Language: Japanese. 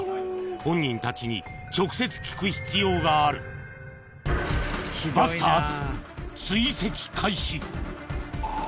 本人たちに直接聞く必要があるバスターズ